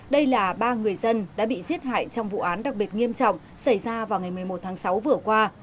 đây là ba người dân đã bị giết hại trong vụ án đặc biệt nghiêm trọng xảy ra vào ngày một mươi một tháng sáu vừa qua